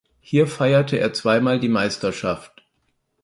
Hier feierte er zweimal die Meisterschaft.